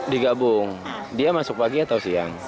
di gabung dia masuk pagi atau siang